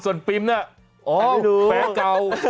ส่วนปิมน่ะแปลเกา